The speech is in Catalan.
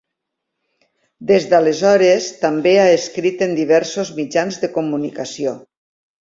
Des d'aleshores també ha escrit en diversos mitjans de comunicació.